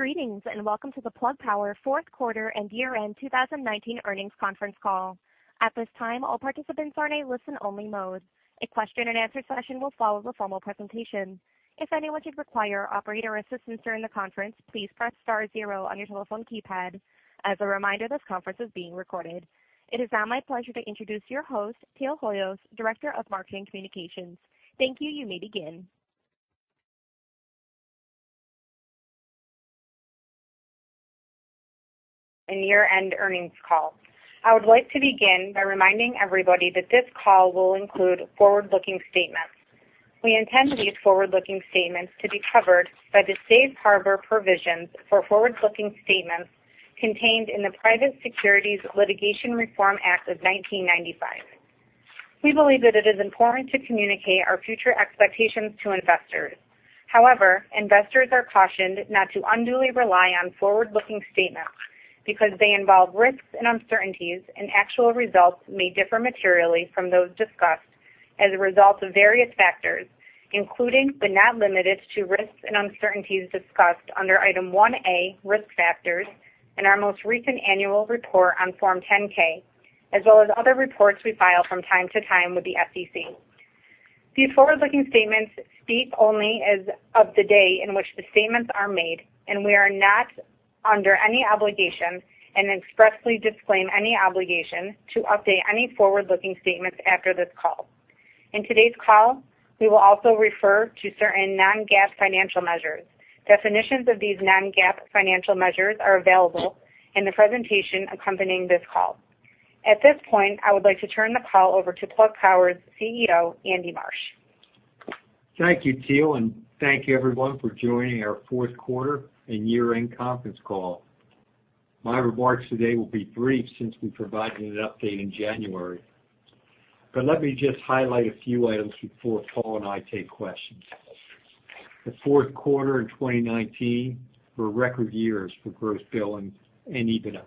Greetings, and welcome to the Plug Power fourth quarter and year-end 2019 earnings conference call. At this time, all participants are in a listen-only mode. A question and answer session will follow the formal presentation. If anyone should require operator assistance during the conference, please press star zero on your telephone keypad. As a reminder, this conference is being recorded. It is now my pleasure to introduce your host, Teal Hoyos, Director of Marketing Communications. Thank you. You may begin. A year-end earnings call. I would like to begin by reminding everybody that this call will include forward-looking statements. We intend these forward-looking statements to be covered by the safe harbor provisions for forward-looking statements contained in the Private Securities Litigation Reform Act of 1995. We believe that it is important to communicate our future expectations to investors. However, investors are cautioned not to unduly rely on forward-looking statements because they involve risks and uncertainties, and actual results may differ materially from those discussed as a result of various factors, including but not limited to risks and uncertainties discussed under Item 1A, Risk Factors, in our most recent annual report on Form 10-K, as well as other reports we file from time to time with the SEC. These forward-looking statements speak only as of the day in which the statements are made, we are not under any obligation, and expressly disclaim any obligation to update any forward-looking statements after this call. In today's call, we will also refer to certain non-GAAP financial measures. Definitions of these non-GAAP financial measures are available in the presentation accompanying this call. At this point, I would like to turn the call over to Plug Power's CEO, Andy Marsh. Thank you, Teal, and thank you everyone for joining our fourth quarter and year-end conference call. My remarks today will be brief since we provided an update in January. Let me just highlight a few items before Paul and I take questions. The fourth quarter and 2019 were record years for gross billings and EBITDA.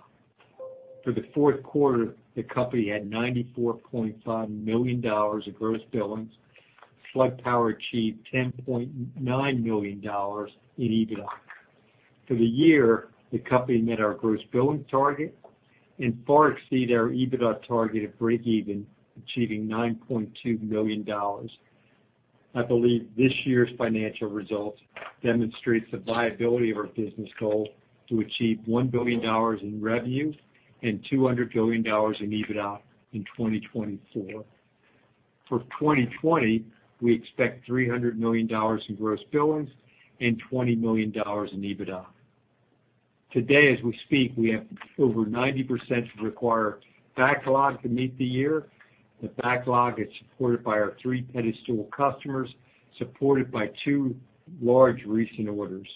For the fourth quarter, the company had $94.5 million of gross billings. Plug Power achieved $10.9 million in EBITDA. For the year, the company met our gross billings target and far exceeded our EBITDA target of breakeven, achieving $9.2 million. I believe this year's financial results demonstrates the viability of our business goal to achieve $1 billion in revenue and $200 million in EBITDA in 2024. For 2020, we expect $300 million in gross billings and $20 million in EBITDA. Today, as we speak, we have over 90% required backlog to meet the year. The backlog is supported by our three pedestal customers, supported by two large recent orders.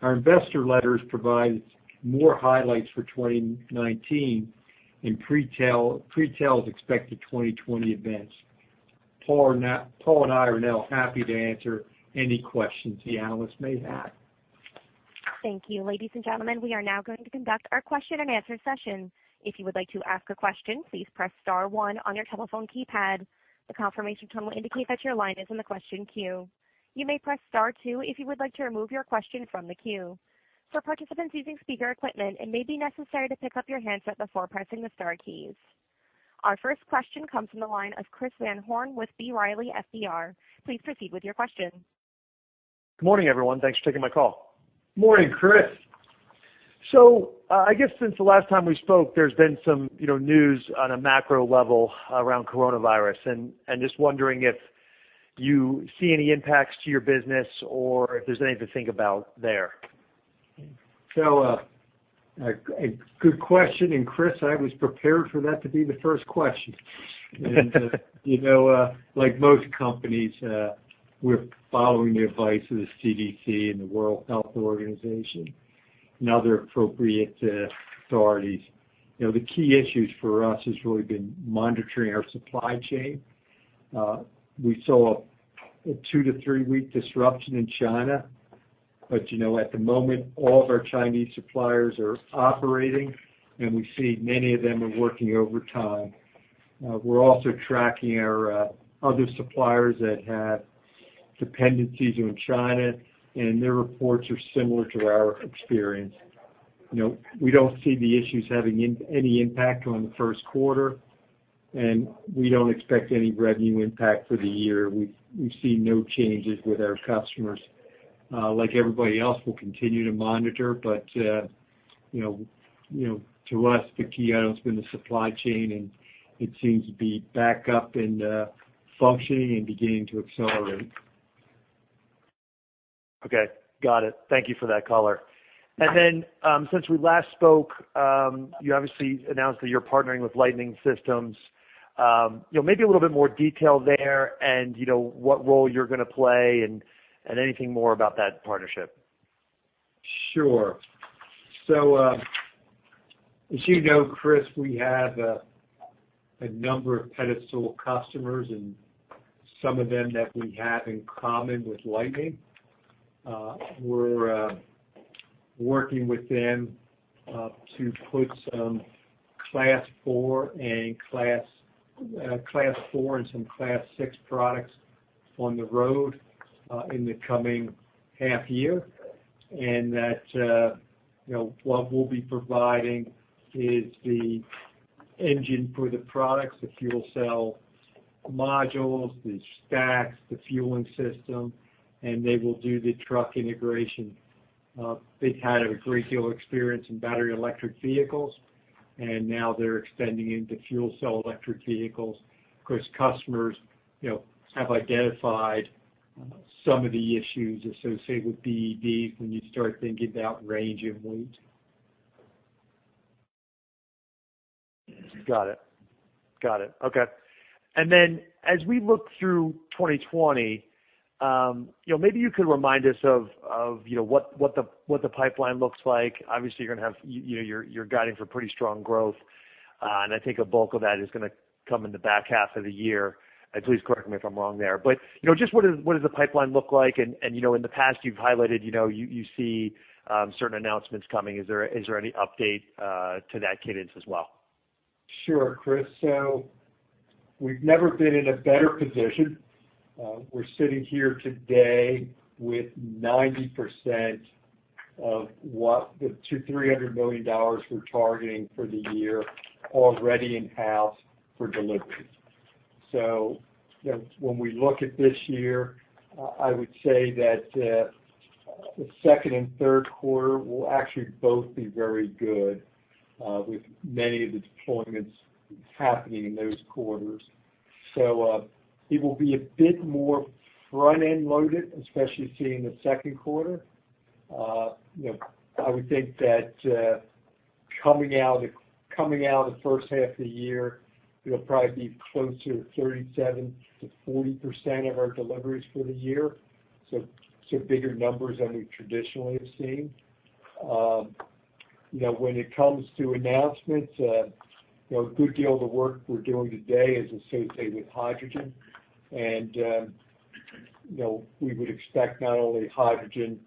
Our investor letters provide more highlights for 2019 and pretell expected 2020 events. Paul and I are now happy to answer any questions the analysts may have. Thank you. Ladies and gentlemen, we are now going to conduct our question and answer session. If you would like to ask a question, please press star one on your telephone keypad. The confirmation tone will indicate that your line is in the question queue. You may press star two if you would like to remove your question from the queue. For participants using speaker equipment, it may be necessary to pick up your handset before pressing the star keys. Our first question comes from the line of Christopher Van Horn with B. Riley FBR. Please proceed with your question. Good morning, everyone. Thanks for taking my call. Morning, Chris. I guess since the last time we spoke, there's been some news on a macro level around coronavirus, and just wondering if you see any impacts to your business or if there's anything to think about there. A good question. Chris, I was prepared for that to be the first question. Like most companies, we're following the advice of the CDC and the World Health Organization and other appropriate authorities. The key issues for us has really been monitoring our supply chain. We saw a two to three week disruption in China, but at the moment, all of our Chinese suppliers are operating, and we see many of them are working overtime. We're also tracking our other suppliers that have dependencies on China, and their reports are similar to our experience. We don't see the issues having any impact on the first quarter, and we don't expect any revenue impact for the year. We see no changes with our customers. Like everybody else, we'll continue to monitor, but to us, the key item's been the supply chain, and it seems to be back up and functioning and beginning to accelerate. Okay. Got it. Thank you for that color. Since we last spoke, you obviously announced that you're partnering with Lightning Systems. Maybe a little bit more detail there and what role you're going to play and anything more about that partnership. Sure. As you know, Chris, we have a number of pedestal customers and some of them that we have in common with Lightning. We're working with them to put some class four and some class six products on the road in the coming half year. What we'll be providing is the engine for the products, the fuel cell modules, the stacks, the fueling system, and they will do the truck integration. They've had a great deal of experience in Battery Electric Vehicles, and now they're extending into fuel cell electric vehicles. Customers have identified some of the issues associated with BEVs when you start thinking about range and weight. Got it. Okay. Then as we look through 2020, maybe you could remind us of what the pipeline looks like? Obviously, you're guiding for pretty strong growth, and I think a bulk of that is going to come in the back half of the year. Please correct me if I'm wrong there. Just what does the pipeline look like? In the past you've highlighted you see certain announcements coming. Is there any update to that cadence as well? Sure, Chris. We've never been in a better position. We're sitting here today with 90% of what the $300 million we're targeting for the year already in house for delivery. When we look at this year, I would say that the second and third quarter will actually both be very good with many of the deployments happening in those quarters. It will be a bit more front-end loaded, especially seeing the second quarter. I would think that coming out of the first half of the year, it'll probably be closer to 37%-40% of our deliveries for the year. Bigger numbers than we traditionally have seen. When it comes to announcements, a good deal of the work we're doing today is associated with hydrogen. We would expect not only hydrogen,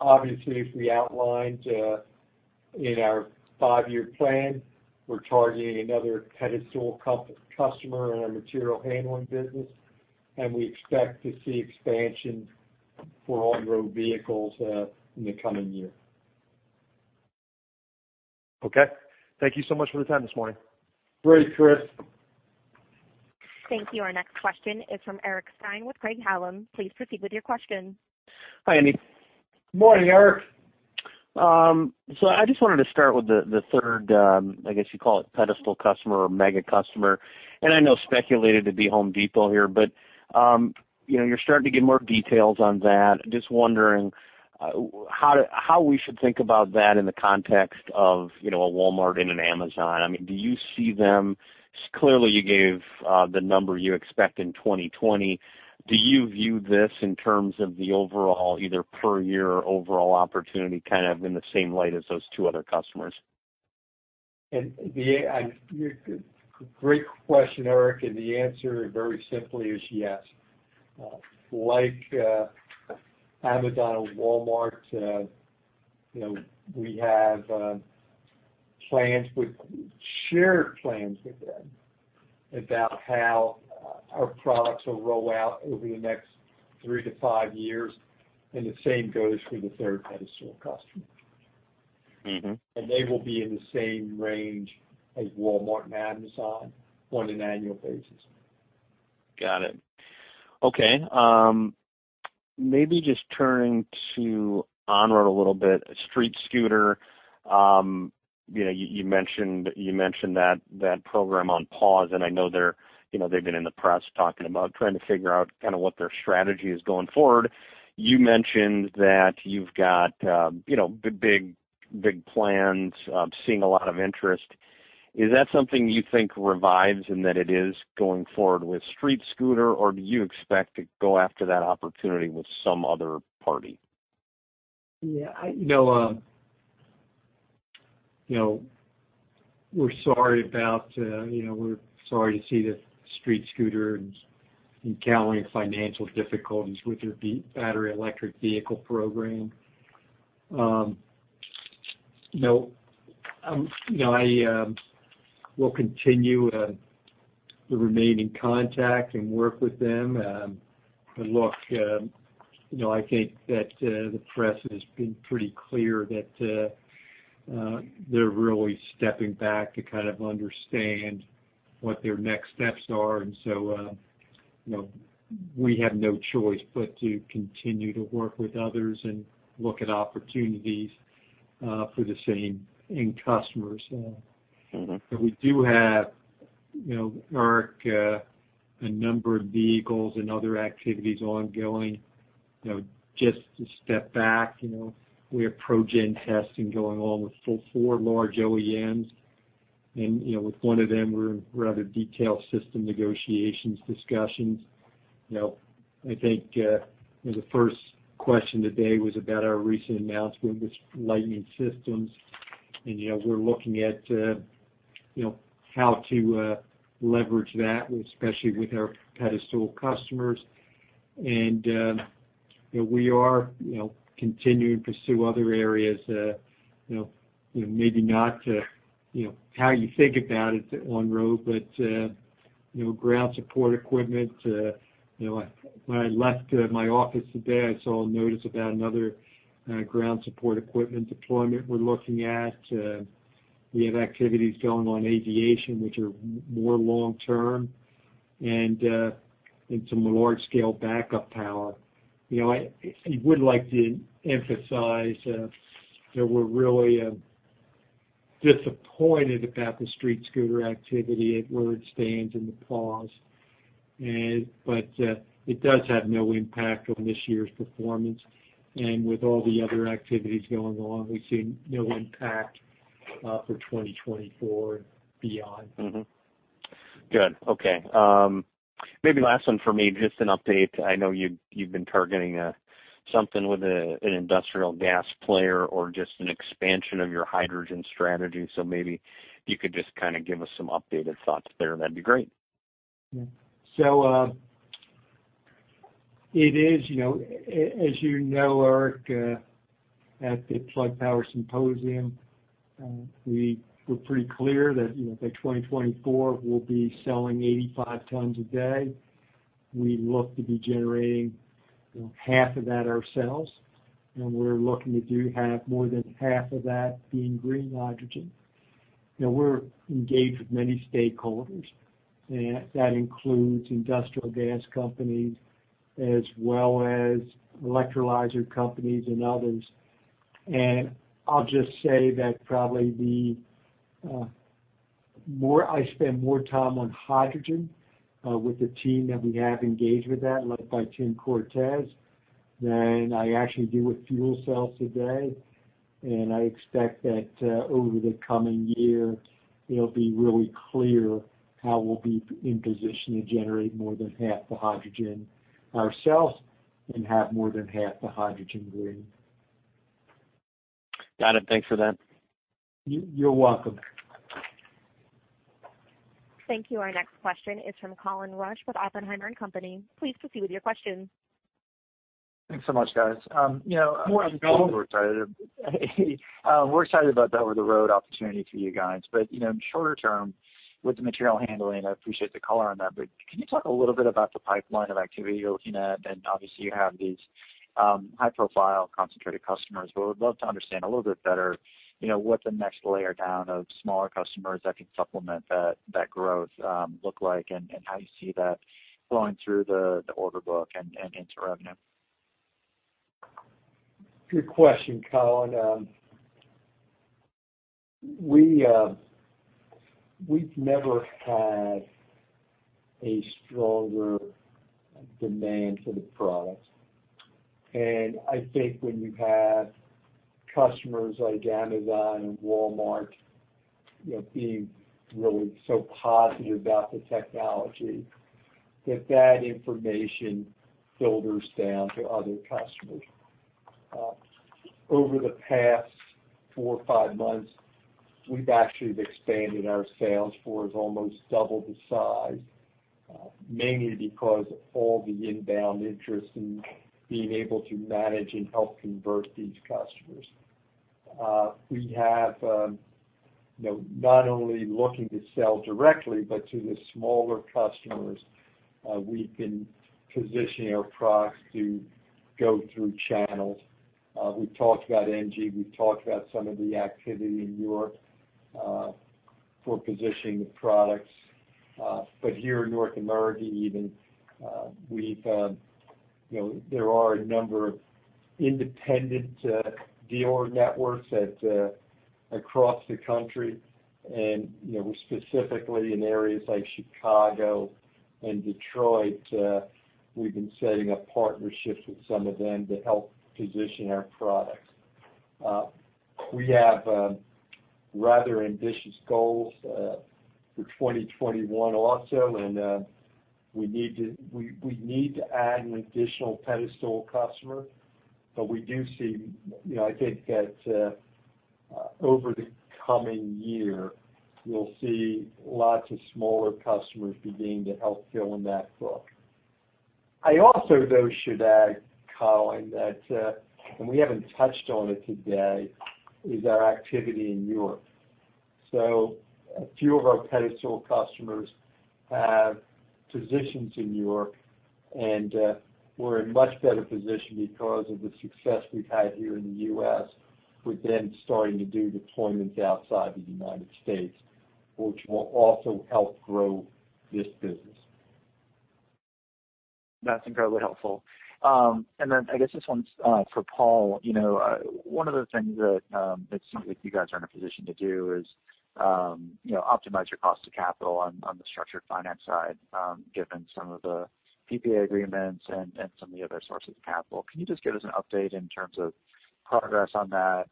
obviously, as we outlined in our five-year plan, we're targeting another pedestal customer in our material handling business, and we expect to see expansion for on-road vehicles in the coming year. Okay. Thank you so much for the time this morning. Great, Chris. Thank you. Our next question is from Eric Stine with Craig-Hallum. Please proceed with your question. Hi, Andy. Morning, Eric. I just wanted to start with the third, I guess you call it pedestal customer or mega customer, and I know speculated to be Home Depot here, but you're starting to give more details on that. Just wondering how we should think about that in the context of a Walmart and an Amazon. I mean, Clearly you gave the number you expect in 2020. Do you view this in terms of the overall, either per year or overall opportunity, kind of in the same light as those two other customers? Great question, Eric. The answer very simply is yes. Like Amazon and Walmart, we have shared plans with them about how our products will roll out over the next three to five years, and the same goes for the third pedestal customer. They will be in the same range as Walmart and Amazon on an annual basis. Got it. Okay. Maybe just turning to Onroad a little bit, StreetScooter. You mentioned that program on pause. I know they've been in the press talking about trying to figure out kind of what their strategy is going forward. You mentioned that you've got big plans, seeing a lot of interest. Is that something you think revives and that it is going forward with StreetScooter, or do you expect to go after that opportunity with some other party? We're sorry to see that StreetScooter is encountering financial difficulties with their battery electric vehicle program. I will continue to remain in contact and work with them. Look, I think that the press has been pretty clear that they're really stepping back to kind of understand what their next steps are. We have no choice but to continue to work with others and look at opportunities for the same end customers. We do have, Eric, a number of vehicles and other activities ongoing. Just to step back, we have ProGen testing going on with four large OEMs, and with one of them, we're in rather detailed system negotiations discussions. I think the first question today was about our recent announcement with Lightning Systems, and we're looking at how to leverage that, especially with our pedestal customers. We are continuing to pursue other areas, maybe not how you think about it on road, but ground support equipment. When I left my office today, I saw a notice about another ground support equipment deployment we're looking at. We have activities going on in aviation, which are more long-term, and some large-scale backup power. I would like to emphasize that we're really disappointed about the StreetScooter activity at where it stands and the pause. It does have no impact on this year's performance. With all the other activities going along, we see no impact for 2024 and beyond. Mm-hmm. Good. Okay. Maybe last one for me, just an update. I know you've been targeting something with an industrial gas player or just an expansion of your hydrogen strategy. Maybe if you could just give us some updated thoughts there, that'd be great. Yeah. As you know, Eric Stine, at the Plug Power Symposium, we were pretty clear that by 2024, we'll be selling 85 tons a day. We look to be generating half of that ourselves, and we're looking to do more than half of that being green hydrogen. We're engaged with many stakeholders, and that includes industrial gas companies as well as electrolyzer companies and others. I'll just say that probably I spend more time on hydrogen with the team that we have engaged with that, led by Tim Cortes, than I actually do with fuel cells today. I expect that over the coming year, it'll be really clear how we'll be in position to generate more than half the hydrogen ourselves and have more than half the hydrogen green. Got it. Thanks for that. You're welcome. Thank you. Our next question is from Colin Rusch with Oppenheimer & Co.. Please proceed with your questions. Thanks so much, guys. Morning, Colin. We're excited about the over-the-road opportunity for you guys. In the shorter term, with the material handling, I appreciate the color on that, but can you talk a little bit about the pipeline of activity you're looking at? Obviously, you have these high-profile concentrated customers, but we'd love to understand a little bit better what the next layer down of smaller customers that can supplement that growth look like, and how you see that flowing through the order book and into revenue. Good question, Colin. We've never had a stronger demand for the product. I think when you have customers like Amazon and Walmart being really so positive about the technology, that that information filters down to other customers. Over the past four or five months, we've actually expanded our sales force almost double the size, mainly because of all the inbound interest in being able to manage and help convert these customers. We have, not only looking to sell directly, but to the smaller customers, we can position our products to go through channels. We've talked about ENGIE. We've talked about some of the activity in Europe for positioning the products. Here in North America even, there are a number of independent dealer networks across the country. Specifically in areas like Chicago and Detroit, we've been setting up partnerships with some of them to help position our products. We have rather ambitious goals for 2021 also, and we need to add an additional pedestal customer. I think that over the coming year, we'll see lots of smaller customers beginning to help fill in that book. I also though should add, Colin, that, and we haven't touched on it today, is our activity in Europe. A few of our pedestal customers have positions in Europe, and we're in a much better position because of the success we've had here in the U.S. We're starting to do deployments outside the United States, which will also help grow this business. That's incredibly helpful. Then I guess this one's for Paul. One of the things that it seems like you guys are in a position to do is optimize your cost of capital on the structured finance side, given some of the PPA agreements and some of the other sources of capital. Can you just give us an update in terms of progress on that,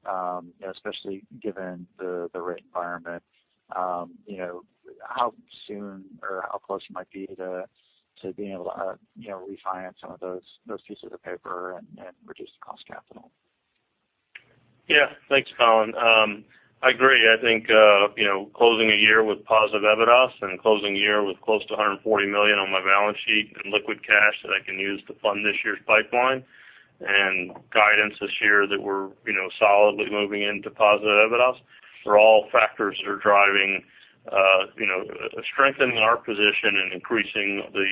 especially given the rate environment? How soon or how close you might be to being able to refinance some of those pieces of paper and reduce the cost of capital? Thanks, Colin. I agree. I think closing a year with positive EBITDA and closing a year with close to $140 million on my balance sheet in liquid cash that I can use to fund this year's pipeline and guidance this year that we're solidly moving into positive EBITDA are all factors that are driving, strengthening our position and increasing the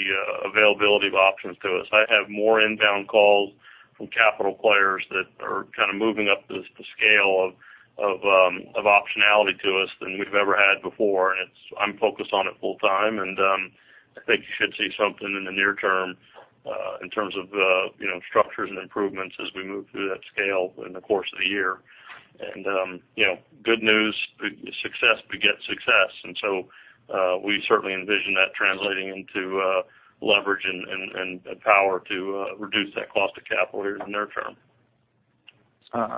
availability of options to us. I have more inbound calls from capital players that are kind of moving up the scale of optionality to us than we've ever had before. I'm focused on it full-time, and I think you should see something in the near term in terms of structures and improvements as we move through that scale in the course of the year. Good news, success begets success. We certainly envision that translating into leverage and power to reduce that cost of capital here in the near term.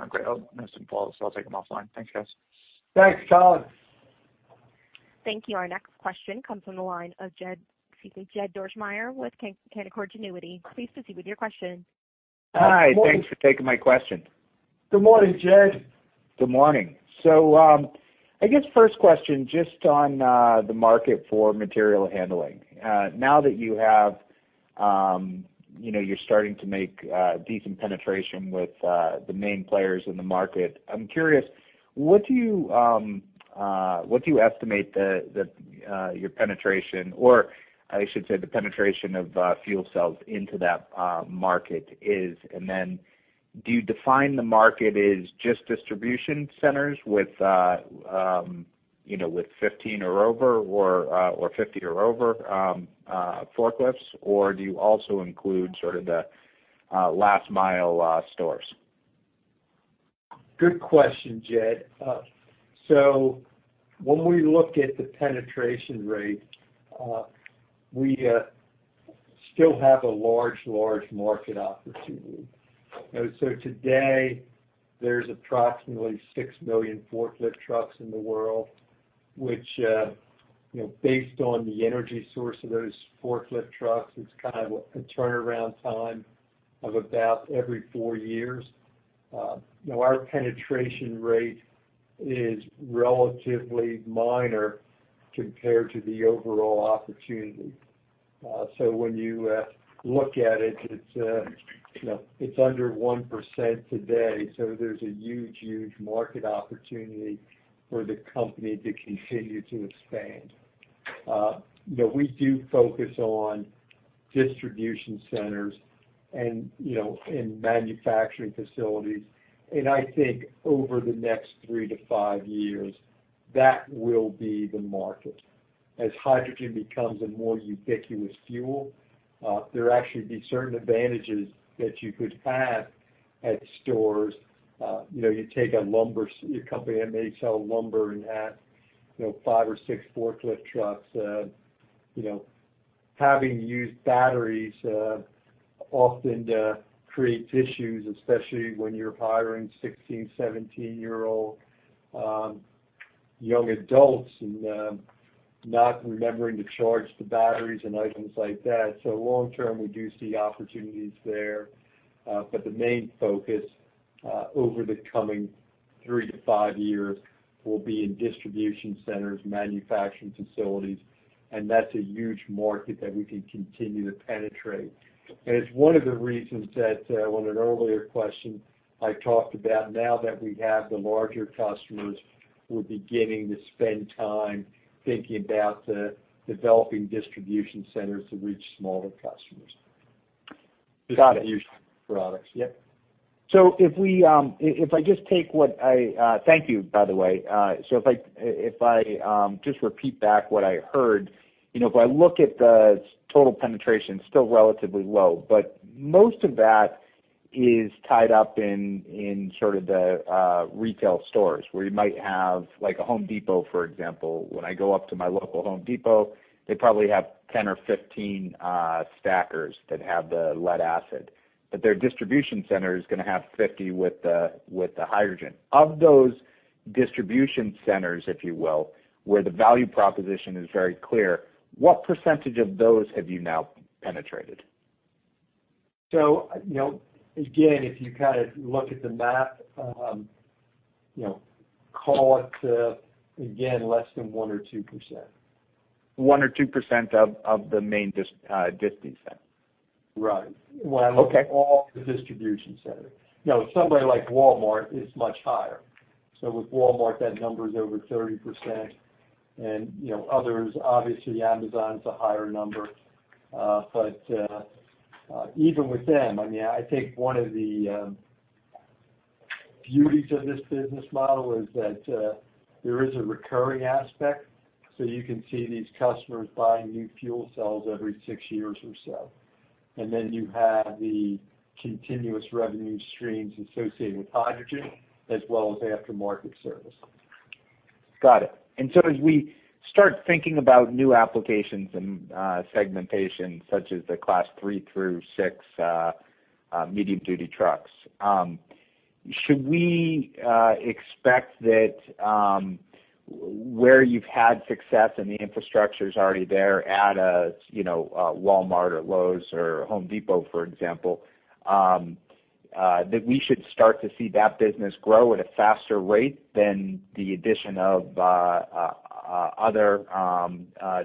Great. I have some follow-ups, so I'll take them offline. Thanks, guys. Thanks, Colin. Thank you. Our next question comes from the line of Jed Dorsheimer with Canaccord Genuity. Please proceed with your question. Hi. Good morning. Thanks for taking my question. Good morning, Jed. Good morning. I guess first question, just on the market for material handling. Now that you're starting to make decent penetration with the main players in the market, I'm curious, what do you estimate your penetration, or I should say the penetration of fuel cells into that market is? Do you define the market as just distribution centers with 15 or over, or 50 or over forklifts? Do you also include sort of the last mile stores? Good question, Jed. When we look at the penetration rate, we still have a large market opportunity. Today there's approximately 6 million forklift trucks in the world, which, based on the energy source of those forklift trucks, it's kind of a turnaround time of about every four years. Our penetration rate is relatively minor compared to the overall opportunity. When you look at it's under 1% today. There's a huge market opportunity for the company to continue to expand. We do focus on distribution centers and manufacturing facilities. I think over the next three to five years, that will be the market. As hydrogen becomes a more ubiquitous fuel, there'll actually be certain advantages that you could have at stores. You take a company that may sell lumber and have five or six forklift trucks. Having used batteries often creates issues, especially when you're hiring 16, 17-year-old young adults and not remembering to charge the batteries and items like that. Long term, we do see opportunities there. The main focus over the coming three to five years will be in distribution centers, manufacturing facilities, and that's a huge market that we can continue to penetrate. It's one of the reasons that on an earlier question I talked about now that we have the larger customers, we're beginning to spend time thinking about developing distribution centers to reach smaller customers. Got it. To use our products. Yep. Thank you, by the way. If I just repeat back what I heard. If I look at the total penetration, still relatively low, but most of that is tied up in sort of the retail stores where you might have like a Home Depot, for example. When I go up to my local Home Depot, they probably have 10 or 15 stackers that have the lead acid, but their distribution center is going to have 50 with the hydrogen. Of those distribution centers, if you will, where the value proposition is very clear, what percentage of those have you now penetrated? Again, if you kind of look at the math, call it again, less than 1% or 2%. 1% or 2% of the main distie center? Right. Okay. When I look at all the distribution centers. Somebody like Walmart is much higher. With Walmart, that number is over 30%. Others, obviously Amazon is a higher number. Even with them, I think one of the beauties of this business model is that there is a recurring aspect. You can see these customers buying new fuel cells every six years or so. You have the continuous revenue streams associated with hydrogen as well as aftermarket service. Got it. As we start thinking about new applications and segmentation, such as the class three through six medium-duty trucks, should we expect where you've had success and the infrastructure's already there at a Walmart or Lowe's or The Home Depot, for example, that we should start to see that business grow at a faster rate than the addition of other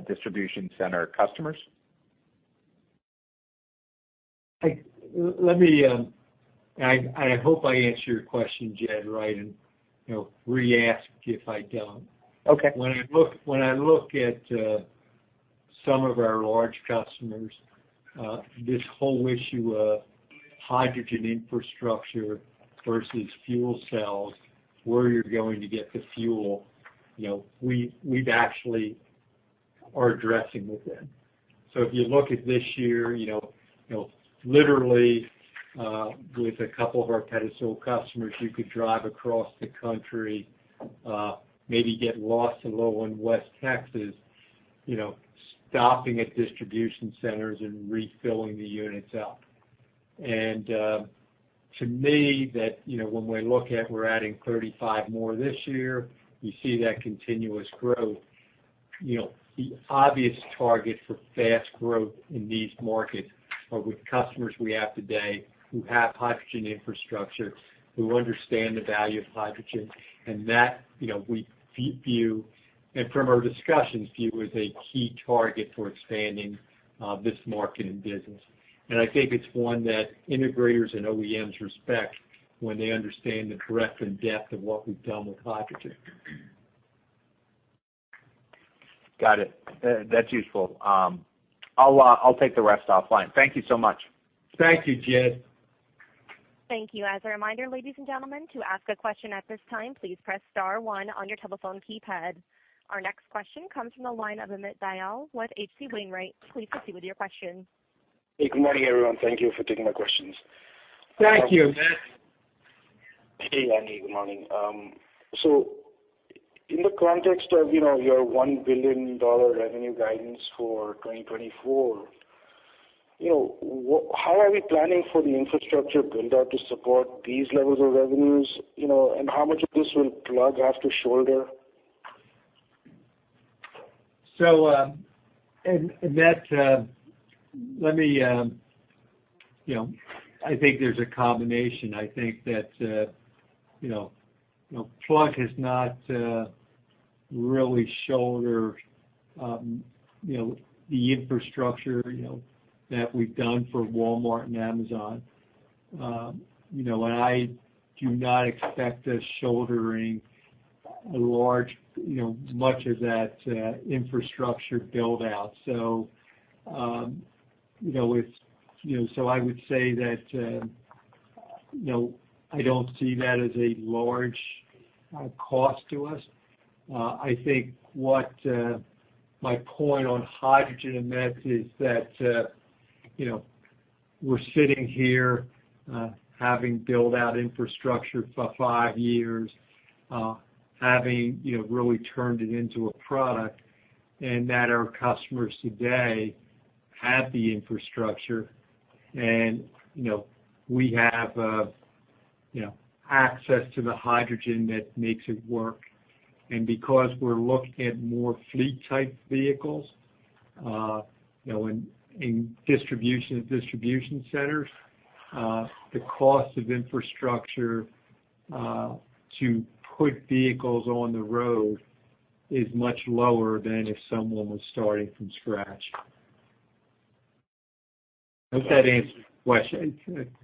distribution center customers? I hope I answered your question, Jed, right, and re-ask if I don't. Okay. When I look at some of our large customers, this whole issue of hydrogen infrastructure versus fuel cells, where you're going to get the fuel, we actually are addressing with them. If you look at this year, literally, with a couple of our pedestal customers, you could drive across the country, maybe get lost a little in West Texas, stopping at distribution centers and refilling the units up. To me, when we look at we're adding 35 more this year, you see that continuous growth. The obvious target for fast growth in these markets are with customers we have today who have hydrogen infrastructure, who understand the value of hydrogen, and that, we view, and from our discussions, view as a key target for expanding this market and business. I think it's one that integrators and OEMs respect when they understand the breadth and depth of what we've done with hydrogen. Got it. That's useful. I'll take the rest offline. Thank you so much. Thank you, Jed. Thank you. As a reminder, ladies and gentlemen, to ask a question at this time, please press star one on your telephone keypad. Our next question comes from the line of Amit Dayal with H.C. Wainwright. Please proceed with your question. Hey, good morning, everyone. Thank you for taking my questions. Thank you, Amit. Hey, Andy. Good morning. In the context of your $1 billion revenue guidance for 2024, how are we planning for the infrastructure build-out to support these levels of revenues, and how much of this will Plug have to shoulder? Amit, I think there's a combination. I think that Plug has not really shouldered the infrastructure that we've done for Walmart and Amazon. I do not expect us shouldering much of that infrastructure build-out. I would say that I don't see that as a large cost to us. I think what my point on hydrogen, Amit, is that we're sitting here having built out infrastructure for five years, having really turned it into a product, and that our customers today have the infrastructure, and we have access to the hydrogen that makes it work. Because we're looking at more fleet-type vehicles in distribution centers, the cost of infrastructure to put vehicles on the road is much lower than if someone was starting from scratch. I hope that answers your question.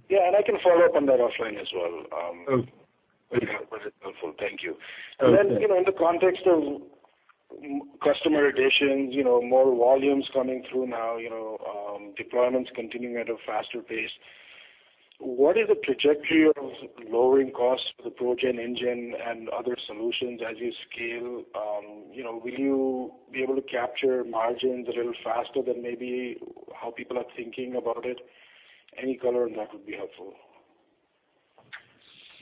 Yeah, I can follow up on that offline as well. Okay. Yeah, that was helpful. Thank you. Okay. In the context of customer additions, more volumes coming through now, deployments continuing at a faster pace, what is the trajectory of lowering costs for the ProGen engine and other solutions as you scale? Will you be able to capture margins a little faster than maybe how people are thinking about it? Any color on that would be helpful.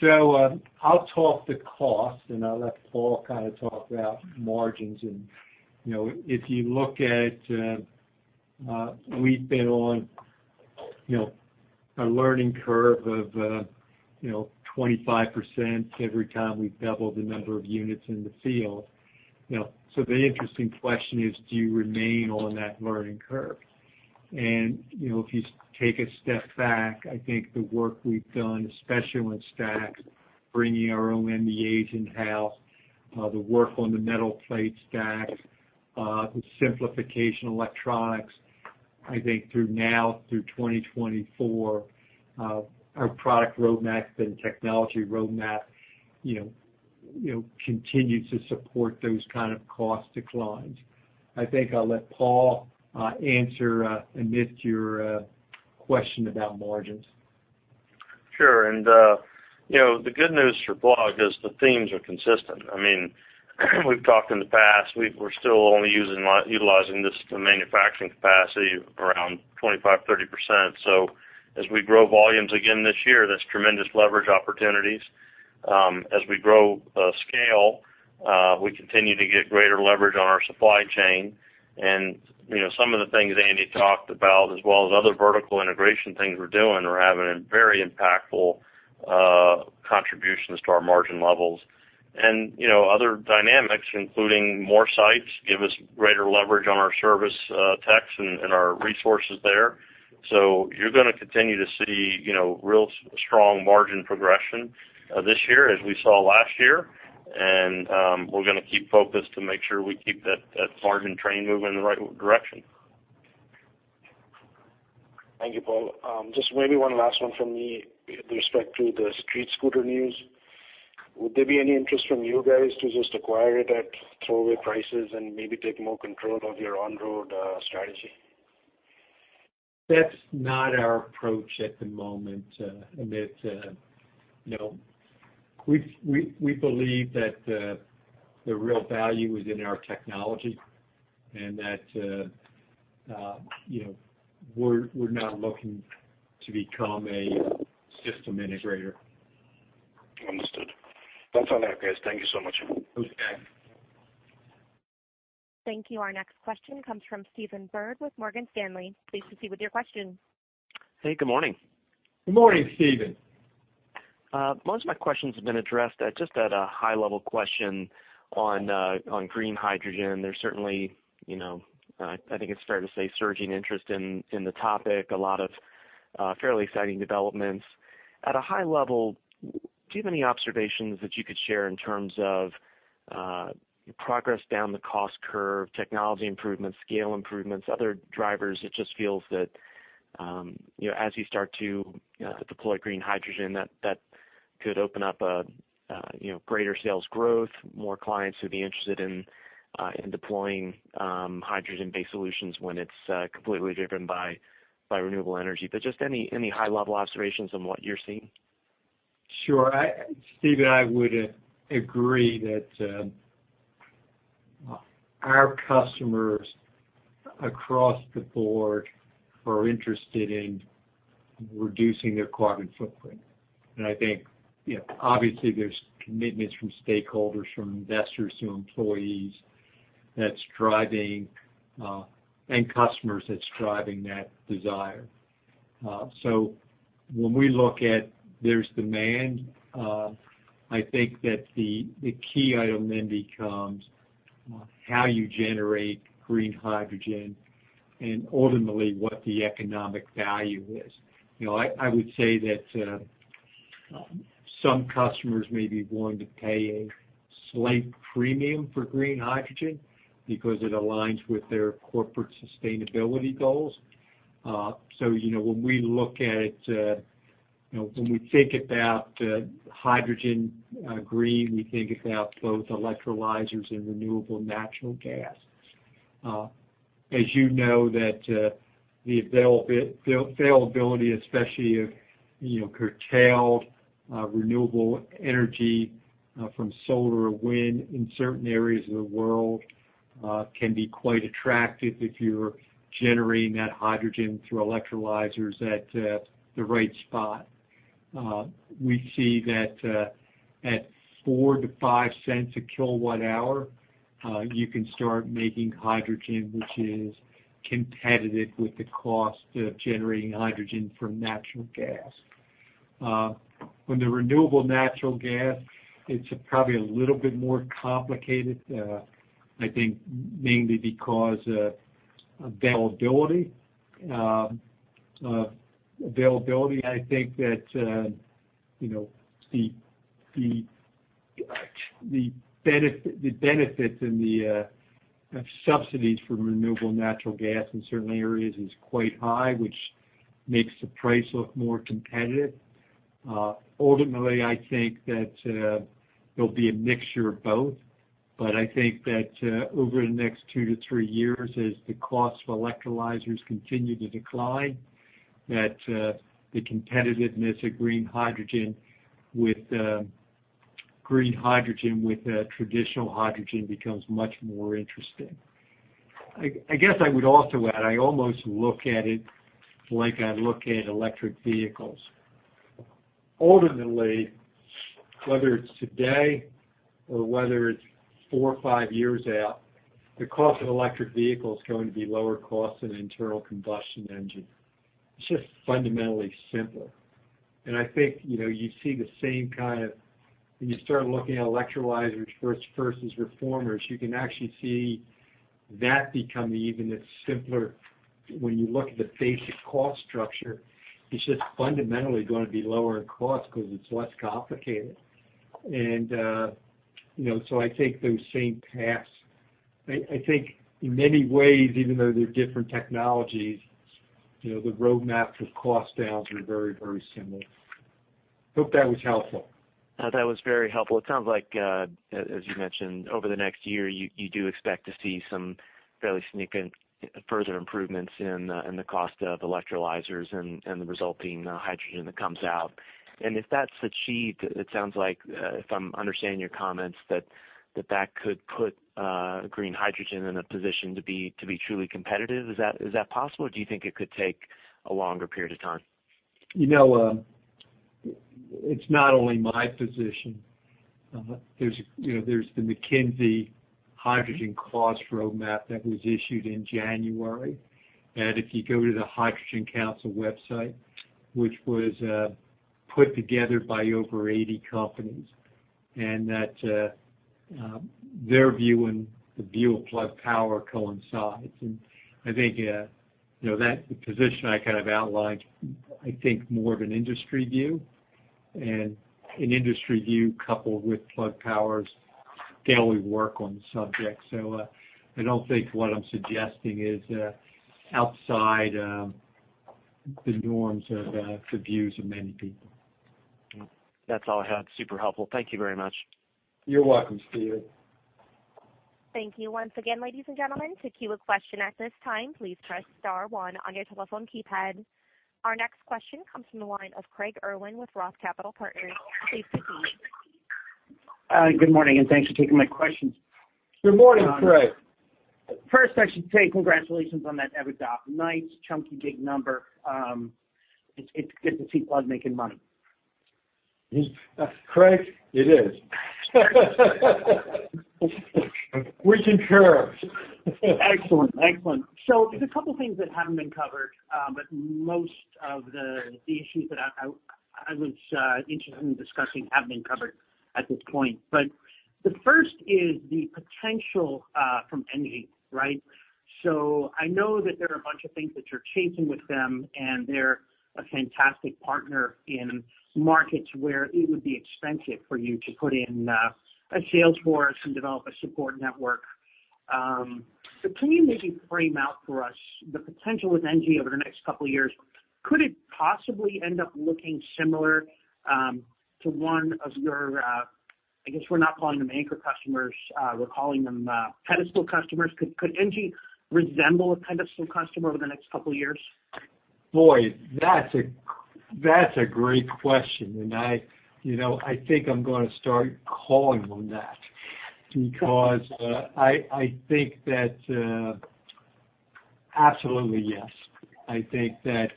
I'll talk the cost, and I'll let Paul talk about margins. If you look at, we've been on a learning curve of 25% every time we've doubled the number of units in the field. The interesting question is: Do you remain on that learning curve? If you take a step back, I think the work we've done, especially with stacks, bringing our own MEA in-house, the work on the metal plate stacks, the simplification electronics, I think through now through 2024, our product roadmap and technology roadmap continue to support those kind of cost declines. I think I'll let Paul answer, Amit, your question about margins. Sure. The good news for Plug is the themes are consistent. We've talked in the past, we're still only utilizing this manufacturing capacity around 25%, 30%. As we grow volumes again this year, that's tremendous leverage opportunities. As we grow scale, we continue to get greater leverage on our supply chain. Some of the things Andy talked about, as well as other vertical integration things we're doing, are having a very impactful contribution to our margin levels. Other dynamics, including more sites, give us greater leverage on our service techs and our resources there. You're going to continue to see real strong margin progression this year as we saw last year. We're going to keep focused to make sure we keep that margin train moving in the right direction. Thank you, Paul. Just maybe one last one from me with respect to the StreetScooter news. Would there be any interest from you guys to just acquire it at throwaway prices and maybe take more control of your on-road strategy? That's not our approach at the moment, Amit. No. We believe that the real value is in our technology and that we're not looking to become a system integrator. Understood. Sounds all right, guys. Thank you so much. Okay. Thank you. Our next question comes from Stephen Byrd with Morgan Stanley. Please proceed with your question. Hey, good morning. Good morning, Stephen. Most of my questions have been addressed. Just at a high-level question on green hydrogen. There's certainly, I think it's fair to say, surging interest in the topic, a lot of fairly exciting developments. At a high level, do you have any observations that you could share in terms of progress down the cost curve, technology improvements, scale improvements, other drivers? It just feels that as you start to deploy green hydrogen, that could open up greater sales growth, more clients who'd be interested in deploying hydrogen-based solutions when it's completely driven by renewable energy. Just any high-level observations on what you're seeing? Sure. Stephen, I would agree that our customers across the board are interested in reducing their carbon footprint. I think, obviously, there's commitments from stakeholders, from investors, to employees and customers that's driving that desire. When we look at there's demand, I think that the key item then becomes how you generate green hydrogen and ultimately what the economic value is. I would say that some customers may be willing to pay a slight premium for green hydrogen because it aligns with their corporate sustainability goals. When we think about hydrogen green, we think about both electrolyzers and renewable natural gas. As you know that the availability, especially of curtailed renewable energy from solar or wind in certain areas of the world can be quite attractive if you're generating that hydrogen through electrolyzers at the right spot. We see that at $0.04-$0.05 a kilowatt hour, you can start making hydrogen, which is competitive with the cost of generating hydrogen from natural gas. With the renewable natural gas, it's probably a little bit more complicated, I think mainly because of availability. I think that the benefits and the subsidies for renewable natural gas in certain areas is quite high, which makes the price look more competitive. Ultimately, I think that there'll be a mixture of both, but I think that over the next two to three years, as the cost of electrolyzers continue to decline, that the competitiveness of green hydrogen with traditional hydrogen becomes much more interesting. I guess I would also add, I almost look at it like I look at electric vehicles. Ultimately, whether it's today or whether it's four or five years out, the cost of electric vehicles is going to be lower cost than internal combustion engine. It's just fundamentally simple. I think, you see the same when you start looking at electrolyzers versus reformers, you can actually see that become even a simpler when you look at the basic cost structure, it's just fundamentally going to be lower in cost because it's less complicated. I take those same paths. I think in many ways, even though they're different technologies, the roadmaps with cost downs are very, very similar. Hope that was helpful. That was very helpful. It sounds like, as you mentioned, over the next year, you do expect to see some fairly significant further improvements in the cost of electrolyzers and the resulting hydrogen that comes out. If that's achieved, it sounds like, if I'm understanding your comments, that could put green hydrogen in a position to be truly competitive. Is that possible? Or do you think it could take a longer period of time? It's not only my position. There's the McKinsey hydrogen costs roadmap that was issued in January, and if you go to the Hydrogen Council website, which was put together by over 80 companies, and their view and the view of Plug Power coincides. I think that the position I outlined, I think more of an industry view, and an industry view coupled with Plug Power's daily work on the subject. I don't think what I'm suggesting is outside the norms of the views of many people. That's all I had. Super helpful. Thank you very much. You're welcome, Stephen. Thank you once again, ladies and gentlemen. To queue a question at this time, please press star one on your telephone keypad. Our next question comes from the line of Craig Irwin with Roth Capital Partners. Please proceed. Good morning, and thanks for taking my questions. Good morning, Craig. First, I should say congratulations on that EBITDA. Nice chunky, big number. It's good to see Plug making money. Craig, it is. We can share. Excellent. There's a couple things that haven't been covered, but most of the issues that I was interested in discussing have been covered at this point. The first is the potential from ENGIE. I know that there are a bunch of things that you're chasing with them, and they're a fantastic partner in markets where it would be expensive for you to put in a sales force and develop a support network. Can you maybe frame out for us the potential with ENGIE over the next couple of years? Could it possibly end up looking similar to one of your, I guess we're not calling them anchor customers, we're calling them pedestal customers. Could ENGIE resemble a pedestal customer over the next couple of years? Boy, that's a great question. I think I'm going to start calling them that because I think that absolutely, yes. I think that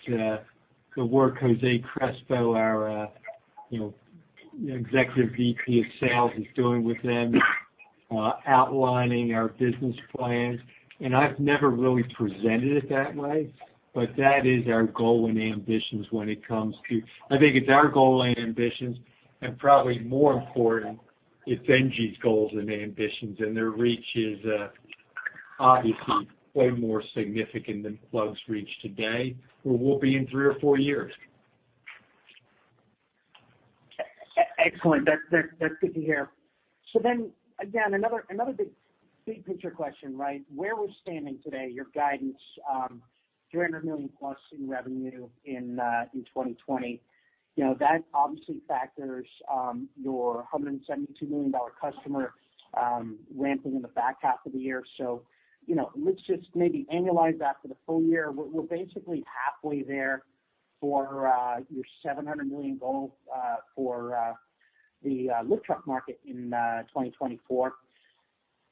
the work Jose Crespo, our Executive VP of Sales, is doing with them, outlining our business plans, I've never really presented it that way, but that is our goal and ambitions. I think it's our goal and ambitions, probably more important, it's ENGIE's goals and ambitions, and their reach is obviously way more significant than Plug's reach today, or will be in three or four years. Excellent. That's good to hear. Again, another big picture question. Where we're standing today, your guidance, $300 million plus in revenue in 2020. That obviously factors your $172 million customer ramping in the back half of the year. Let's just maybe annualize that for the full year. We're basically halfway there for your $700 million goal for the lift truck market in 2024.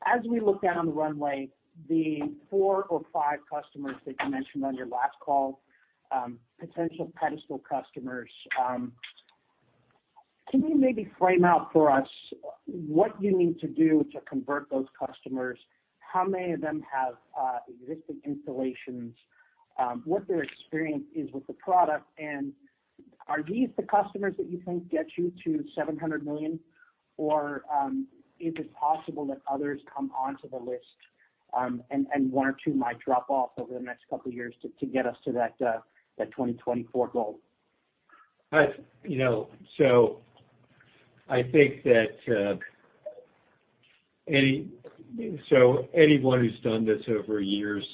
As we look down the runway, the four or five customers that you mentioned on your last call, potential pedestal customers, can you maybe frame out for us what you need to do to convert those customers? How many of them have existing installations? What their experience is with the product, and are these the customers that you think get you to $700 million? Is it possible that others come onto the list, and one or two might drop off over the next couple of years to get us to that 2024 goal? I think that anyone who's done this over years,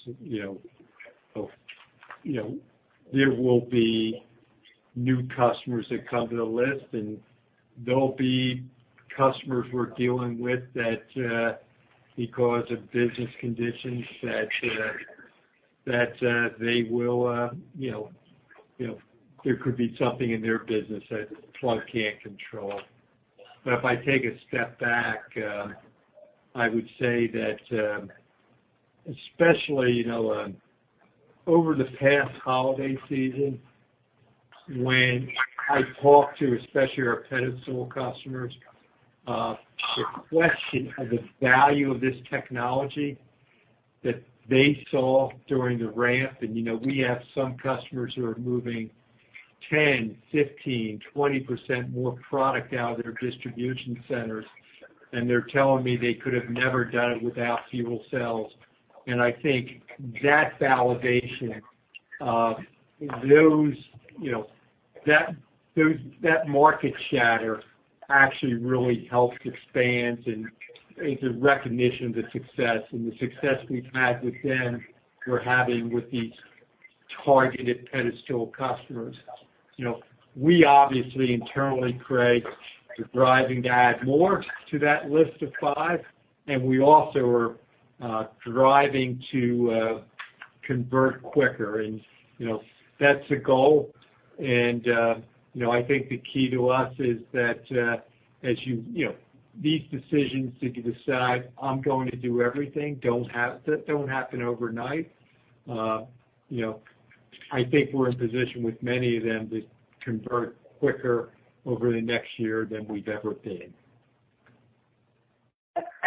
there will be new customers that come to the list, and there'll be customers we're dealing with that because of business conditions, there could be something in their business that Plug can't control. If I take a step back, I would say that, especially over the past holiday season, when I talk to especially our pedestal customers, the question of the value of this technology that they saw during the ramp, and we have some customers who are moving 10%, 15%, 20% more product out of their distribution centers, and they're telling me they could have never done it without fuel cells. I think that validation of those, that market share actually really helped expand and the recognition, the success, and the success we've had with them, we're having with these targeted pedestal customers. We obviously internally, Craig, we're driving to add more to that list of five, and we also are driving to convert quicker and that's a goal. I think the key to us is that these decisions that you decide, I'm going to do everything, don't happen overnight. I think we're in position with many of them to convert quicker over the next year than we've ever been.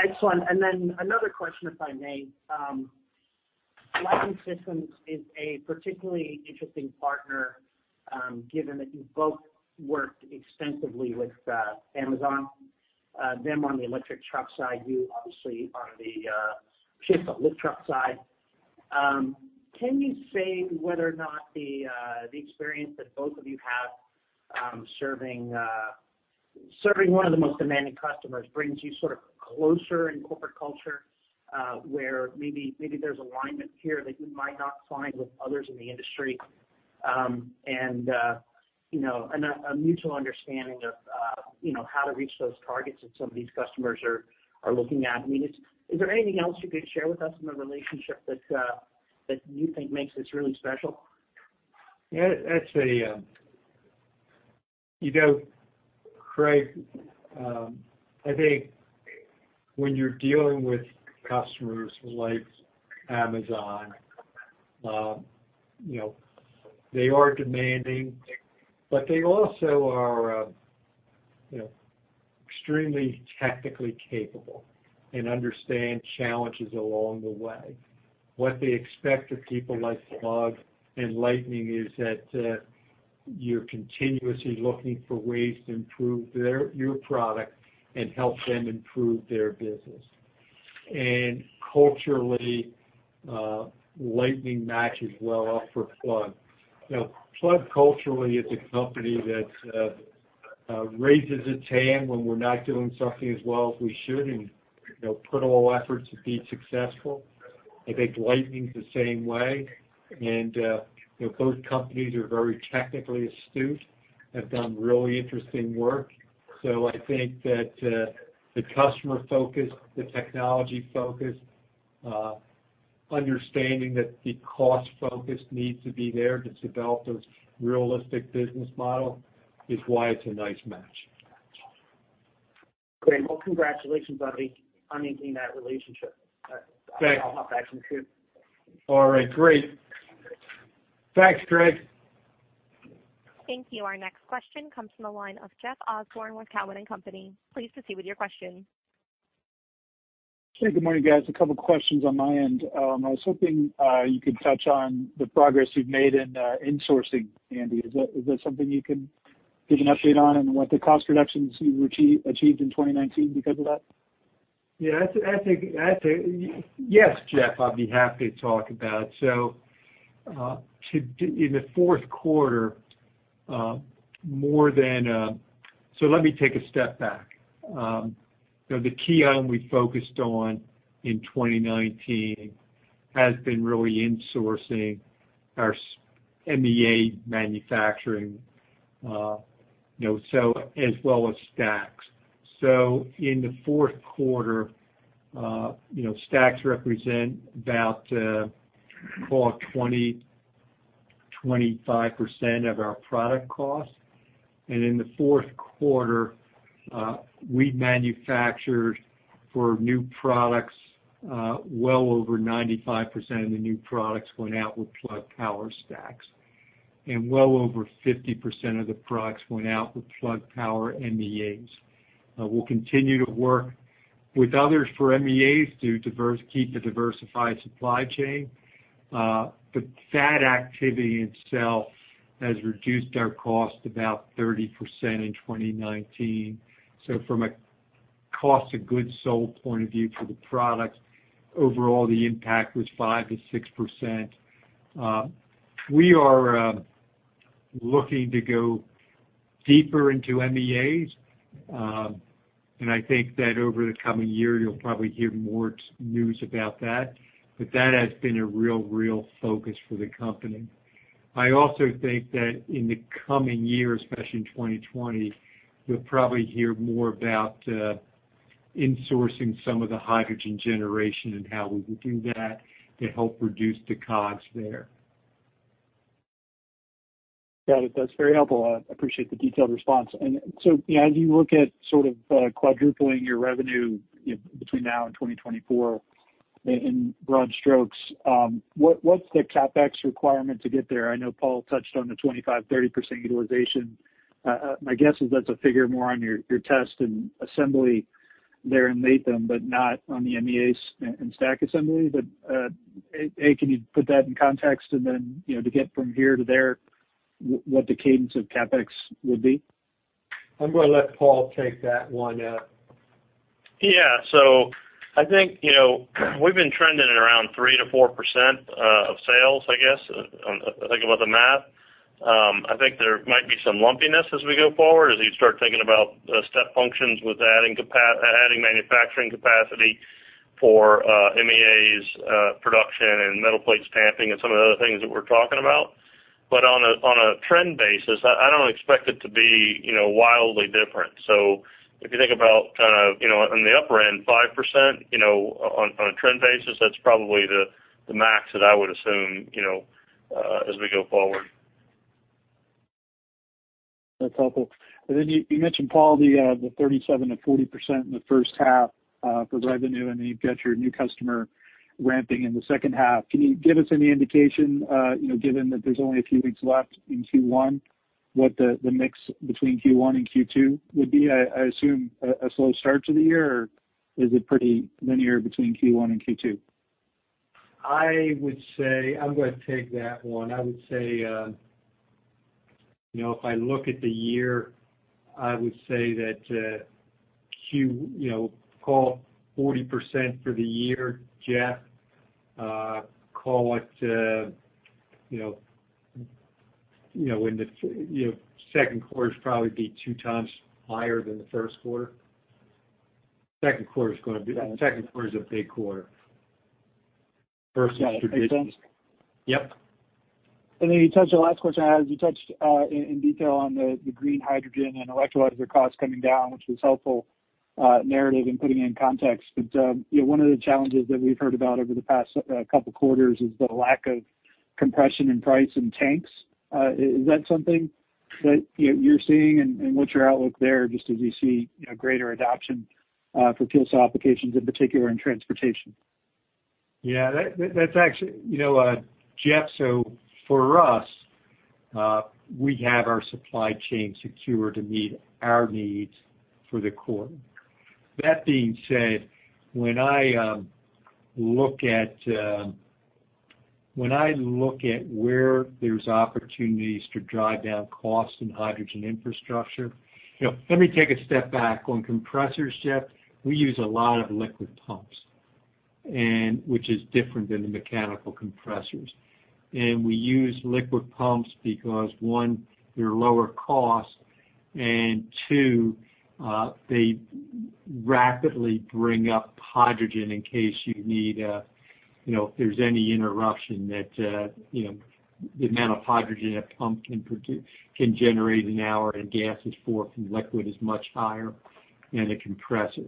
Excellent. Another question, if I may. Lightning Systems is a particularly interesting partner, given that you both worked extensively with Amazon, them on the electric truck side, you obviously on the forklift truck side. Can you say whether or not the experience that both of you have serving one of the most demanding customers brings you sort of closer in corporate culture? Where maybe there's alignment here that you might not find with others in the industry, and a mutual understanding of how to reach those targets that some of these customers are looking at. I mean, is there anything else you could share with us in the relationship that you think makes this really special? Craig, I think when you're dealing with customers like Amazon, they are demanding, but they also are extremely technically capable and understand challenges along the way. What they expect of people like Plug and Lightning is that you're continuously looking for ways to improve your product and help them improve their business. Culturally, Lightning matches well off for Plug. Plug culturally is a company that raises its hand when we're not doing something as well as we should and put all efforts to be successful. I think Lightning's the same way, both companies are very technically astute, have done really interesting work. I think that the customer focus, the technology focus, understanding that the cost focus needs to be there to develop those realistic business model is why it's a nice match. Great. Congratulations on making that relationship. Thanks. I'll hop back in the queue. All right, great. Thanks, Craig. Thank you. Our next question comes from the line of Jeff Osborne with Cowen and Company. Please proceed with your question. Sure. Good morning, guys. A couple questions on my end. I was hoping you could touch on the progress you've made in insourcing, Andy. Is that something you can give an update on and what the cost reductions you achieved in 2019 because of that? Yes, Jeff, I'd be happy to talk about. Let me take a step back. The key item we focused on in 2019 has been really insourcing our MEA manufacturing, as well as stacks. In the fourth quarter, stacks represent about call it 20%, 25% of our product cost. In the fourth quarter, we manufactured for new products, well over 95% of the new products going out with Plug Power stacks. Well over 50% of the products went out with Plug Power MEAs. We'll continue to work with others for MEAs to keep the diversified supply chain. That activity itself has reduced our cost about 30% in 2019. From a cost of goods sold point of view for the products, overall the impact was 5%-6%. We are looking to go deeper into MEAs. I think that over the coming year, you'll probably hear more news about that. That has been a real focus for the company. I also think that in the coming year, especially in 2020, you'll probably hear more about insourcing some of the hydrogen generation and how we would do that to help reduce the COGS there. Got it. That's very helpful. I appreciate the detailed response. As you look at sort of quadrupling your revenue between now and 2024, in broad strokes, what's the CapEx requirement to get there? I know Paul touched on the 25%, 30% utilization. My guess is that's a figure more on your test and assembly there in Latham, but not on the MEAs and stack assembly. A, can you put that in context and then to get from here to there, what the cadence of CapEx would be? I'm going to let Paul take that one. Yeah. I think we've been trending at around 3%-4% of sales, I guess. I think about the math. I think there might be some lumpiness as we go forward as you start thinking about step functions with adding manufacturing capacity for MEAs production and metal plate stamping and some of the other things that we're talking about. On a trend basis, I don't expect it to be wildly different. If you think about kind of on the upper end, 5% on a trend basis, that's probably the max that I would assume as we go forward. That's helpful. You mentioned, Paul, the 37%-40% in the first half for revenue, and then you've got your new customer ramping in the second half. Can you give us any indication, given that there's only a few weeks left in Q1, what the mix between Q1 and Q2 would be? I assume a slow start to the year, or is it pretty linear between Q1 and Q2? I would say, I'm going to take that one. I would say, if I look at the year, I would say that call it 40% for the year, Jeff. Call it when the second quarter will probably be two times higher than the first quarter. Second quarter is a big quarter versus traditional. Yeah. Makes sense. Yep. The last question I had is you touched in detail on the green hydrogen and electrolyzer costs coming down, which was helpful narrative in putting it in context. One of the challenges that we've heard about over the past couple of quarters is the lack of compression in price in tanks. Is that something that you're seeing, and what's your outlook there, just as you see greater adoption for fuel cell applications, in particular in transportation? Jeff, for us, we have our supply chain secure to meet our needs for the quarter. That being said, when I look at where there's opportunities to drive down costs in hydrogen infrastructure. Let me take a step back. On compressors, Jeff, we use a lot of liquid pumps, which is different than the mechanical compressors. We use liquid pumps because, one, they're lower cost, and two, they rapidly bring up hydrogen. If there's any interruption that the amount of hydrogen a pump can generate an hour in gas is four, from liquid is much higher than a compressor.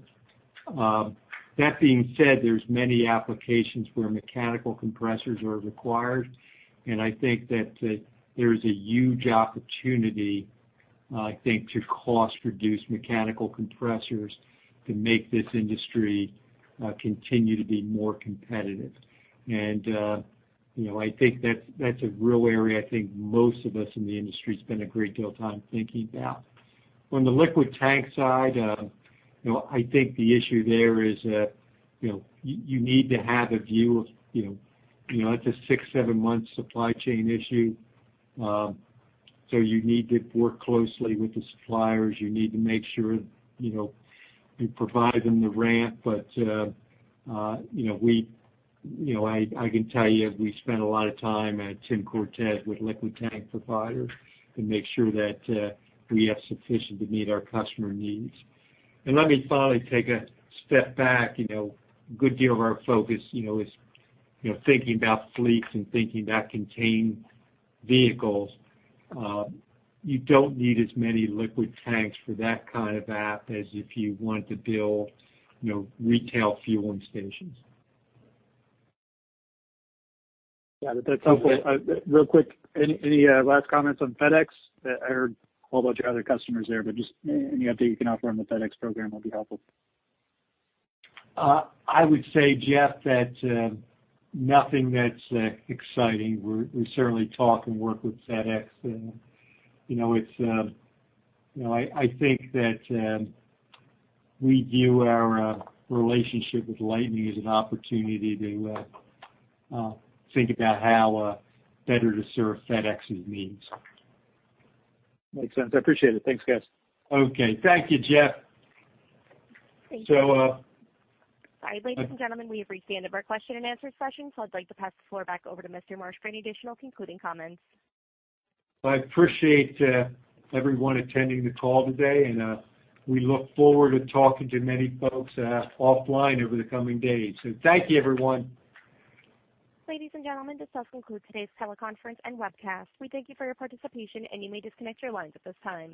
That being said, there's many applications where mechanical compressors are required. I think that there is a huge opportunity, I think, to cost-reduce mechanical compressors to make this industry continue to be more competitive. I think that's a real area I think most of us in the industry spend a great deal of time thinking about. On the liquid tank side, I think the issue there is you need to have a view of. It's a six, seven-month supply chain issue. You need to work closely with the suppliers. You need to make sure you provide them the ramp. I can tell you, we spend a lot of time at Tim Cortes with liquid tank providers to make sure that we have sufficient to meet our customer needs. Let me finally take a step back. A good deal of our focus is thinking about fleets and thinking about contained vehicles. You don't need as many liquid tanks for that kind of app as if you want to build retail fueling stations. Yeah. That's helpful. Real quick, any last comments on FedEx? I heard a whole bunch of other customers there, but just any update you can offer on the FedEx program would be helpful. I would say, Jeff, that nothing that's exciting. We certainly talk and work with FedEx, and I think that we view our relationship with Lightning as an opportunity to think about how better to serve FedEx's needs. Makes sense. I appreciate it. Thanks, guys. Okay. Thank you, Jeff. Thank you. So- Sorry, ladies and gentlemen, we have reached the end of our question and answer session, so I'd like to pass the floor back over to Mr. Marsh for any additional concluding comments. I appreciate everyone attending the call today, and we look forward to talking to many folks offline over the coming days. Thank you, everyone. Ladies and gentlemen, this does conclude today's teleconference and webcast. We thank you for your participation, and you may disconnect your lines at this time.